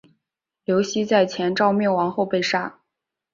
刘熙在前赵灭亡后被杀。